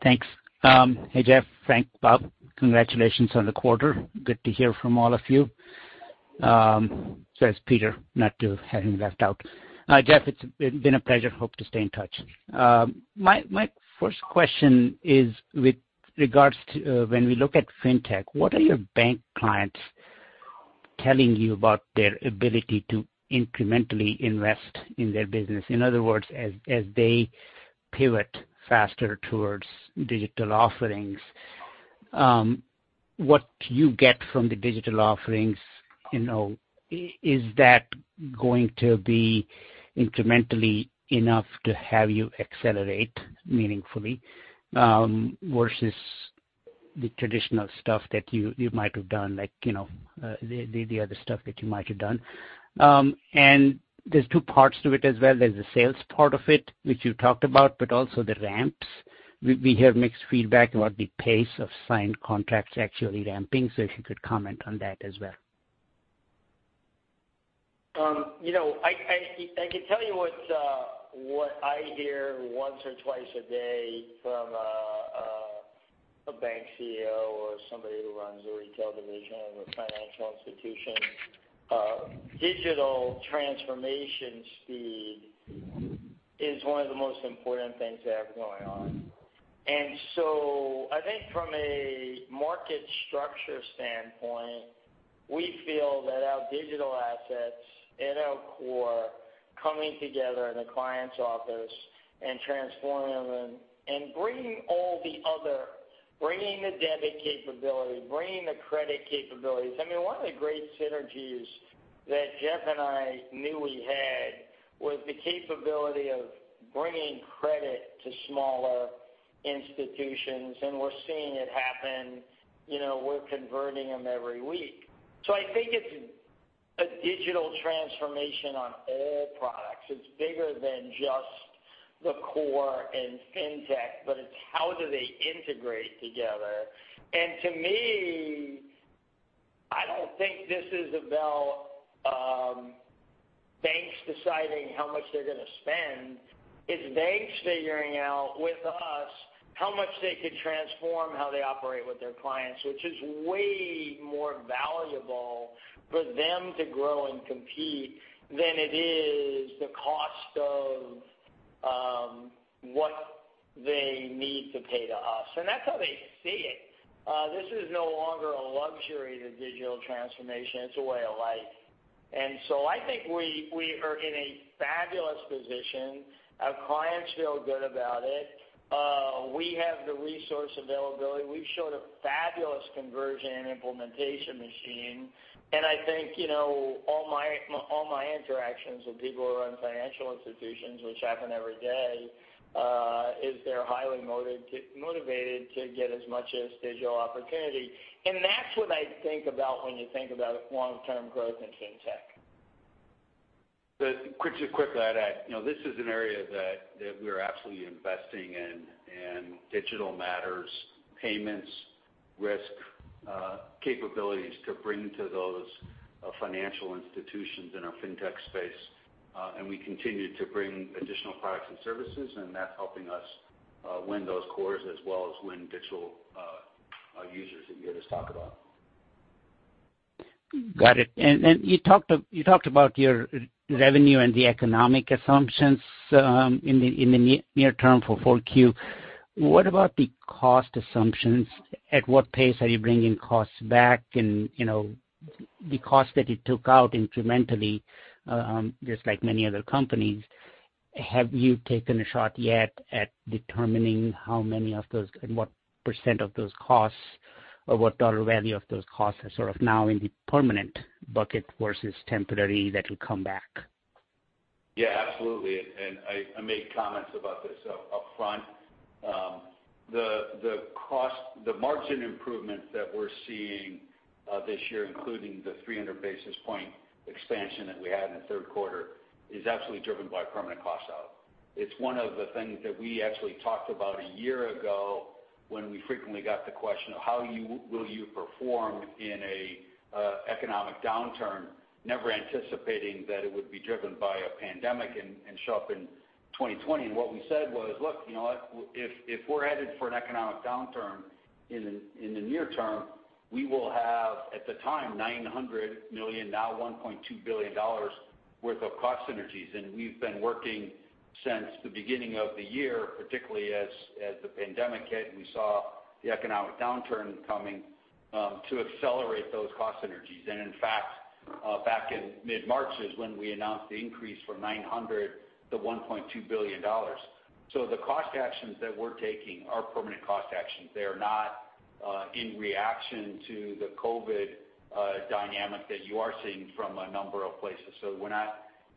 Thanks. Hey, Jeff, Frank, Bob. Congratulations on the quarter. Good to hear from all of you. Sorry, it's Peter. Not to have him left out. Jeff, it's been a pleasure. Hope to stay in touch. My first question is with regards to when we look at FinTech, what are your bank clients telling you about their ability to incrementally invest in their business? In other words, as they pivot faster towards digital offerings, what you get from the digital offerings, is that going to be incrementally enough to have you accelerate meaningfully versus the traditional stuff that you might have done, like the other stuff that you might have done. There's two parts to it as well. There's the sales part of it, which you talked about, but also the ramps. We hear mixed feedback about the pace of signed contracts actually ramping. If you could comment on that as well. I can tell you what I hear once or twice a day from a bank CEO or somebody who runs a retail division of a financial institution. Digital transformation speed is one of the most important things they have going on. I think from a market structure standpoint, we feel that our digital assets in our core coming together in a client's office and transforming them and bringing all the other, bringing the debit capability, bringing the credit capabilities. One of the great synergies that Jeff and I knew we had was the capability of bringing credit to smaller institutions. We're seeing it happen. We're converting them every week. I think it's a digital transformation on all products. It's bigger than just the core and FinTech, but it's how do they integrate together. To me, I don't think this is about banks deciding how much they're going to spend. It's banks figuring out with us how much they could transform how they operate with their clients, which is way more valuable for them to grow and compete than it is the cost of what they need to pay to us. That's how they see it. This is no longer a luxury to digital transformation. It's a way of life. I think we are in a fabulous position. Our clients feel good about it. We have the resource availability. We've showed a fabulous conversion and implementation machine, and I think all my interactions with people who run financial institutions, which happen every day, is they're highly motivated to get as much as digital opportunity. That's what I think about when you think about long-term growth in FinTech. Just quickly add that this is an area that we're absolutely investing in, digital matters, payments, risk capabilities to bring to those financial institutions in our FinTech space. We continue to bring additional products and services, and that's helping us win those cores as well as win digital users that you hear us talk about. Got it. You talked about your revenue and the economic assumptions in the near term for 4Q. What about the cost assumptions? At what pace are you bringing costs back and the cost that you took out incrementally just like many other companies. Have you taken a shot yet at determining how many of those, and what percent of those costs or what dollar value of those costs are sort of now in the permanent bucket versus temporary that will come back? Yeah, absolutely. I made comments about this upfront. The margin improvements that we're seeing this year, including the 300 basis point expansion that we had in the third quarter, is absolutely driven by permanent cost out. It's one of the things that we actually talked about a year ago when we frequently got the question of how will you perform in an economic downturn, never anticipating that it would be driven by a pandemic and show up in 2020. What we said was, "Look, you know what? If we're headed for an economic downturn in the near term, we will have, at the time, $900 million, now $1.2 billion worth of cost synergies." We've been working since the beginning of the year, particularly as the pandemic hit, and we saw the economic downturn coming, to accelerate those cost synergies. In fact, back in mid-March is when we announced the increase from $900 to $1.2 billion. The cost actions that we're taking are permanent cost actions. They are not in reaction to the COVID-19 dynamic that you are seeing from a number of places. We're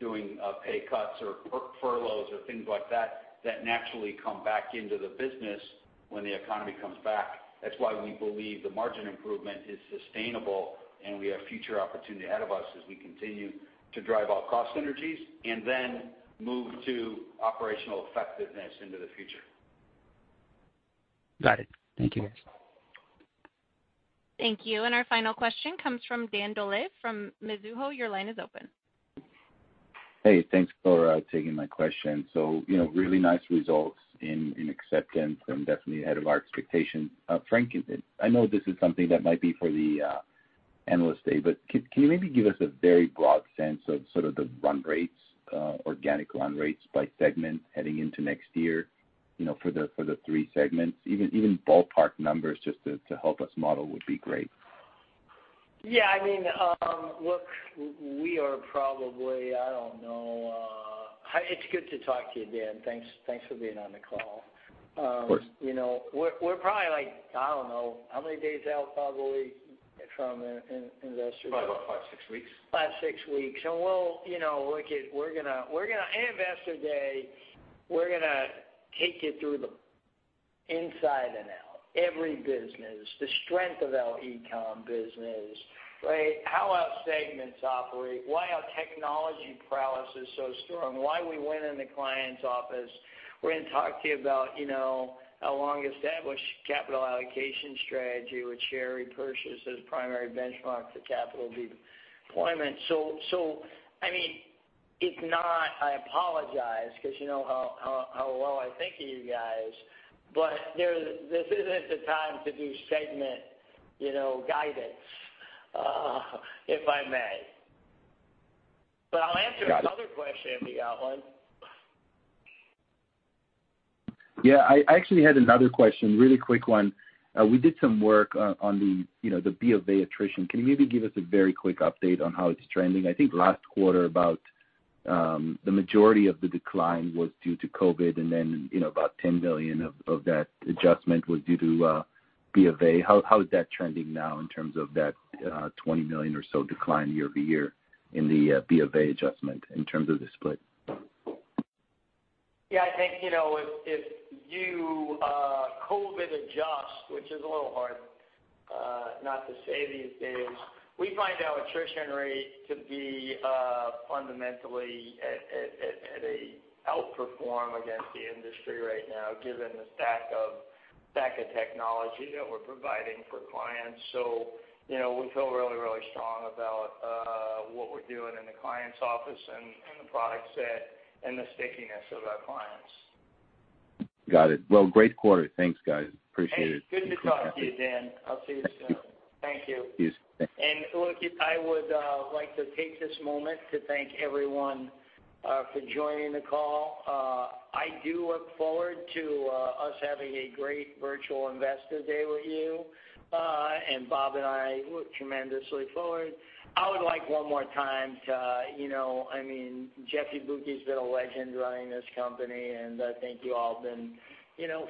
not doing pay cuts or furloughs or things like that naturally come back into the business when the economy comes back. That's why we believe the margin improvement is sustainable, and we have future opportunity ahead of us as we continue to drive out cost synergies and then move to operational effectiveness into the future. Got it. Thank you, guys. Thank you. Our final question comes from Dan Dolev from Mizuho. Your line is open. Hey, thanks for taking my question. Really nice results in acceptance and definitely ahead of our expectations. Frank, I know this is something that might be for the analyst day, but can you maybe give us a very broad sense of sort of the run rates, organic run rates by segment heading into next year for the three segments? Even ballpark numbers just to help us model would be great. Yeah. Look, we are probably, I don't know. It's good to talk to you, Dan. Thanks for being on the call. Of course. We're probably like, I don't know, how many days out? Probably about five, six weeks. Five, six weeks. At Investor Day, we're going to take you through them inside and out. Every business, the strength of our eCom business, right? How our segments operate, why our technology prowess is so strong, why we win in the client's office. We're going to talk to you about our long-established capital allocation strategy with share repurchases, primary benchmark to capital deployment. If not, I apologize, because you know how well I think of you guys. This isn't the time to do segment guidance, if I may. I'll answer another question if you got one. Yeah, I actually had another question, really quick one. We did some work on the BofA attrition. Can you maybe give us a very quick update on how it's trending? I think last quarter about the majority of the decline was due to COVID, and then about $10 million of that adjustment was due to BofA. How is that trending now in terms of that $20 million or so decline year-over-year in the BofA adjustment in terms of the split? Yeah, I think, if you COVID adjust, which is a little hard not to say these days, we find our attrition rate to be fundamentally at an outperform against the industry right now, given the stack of technology that we're providing for clients. We feel really, really strong about what we're doing in the client's office and the product set and the stickiness of our clients. Got it. Well, great quarter. Thanks, guys. Appreciate it. Hey, good to talk to you, Dan. I'll see you soon. Thank you. Cheers. Thanks. Look, I would like to take this moment to thank everyone for joining the call. I do look forward to us having a great virtual Investor Day with you. Bob and I look tremendously forward. I would like one more time to Jeff Yabuki's been a legend running this company, and I think you all have been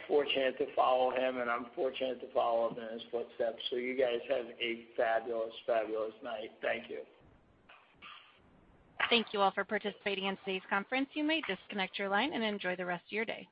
fortunate to follow him, and I'm fortunate to follow up in his footsteps. You guys have a fabulous night. Thank you. Thank you all for participating in today's conference. You may disconnect your line and enjoy the rest of your day.